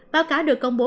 báo cáo được công bố